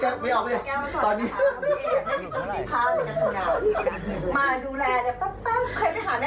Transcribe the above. โอ้ยเป็นโรคน้องอ้าวเอาพาร์ทค่ะน้องอ้าวจากนั้นพี่เอ๊ขอนะ